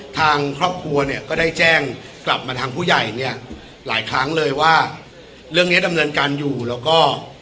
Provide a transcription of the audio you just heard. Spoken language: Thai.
ทางครอบครัวเนี่ยก็ได้แจ้งกลับมาทางผู้ใหญ่เนี่ยหลายครั้งเลยว่าเรื่องเนี้ยดำเนินการอยู่แล้วก็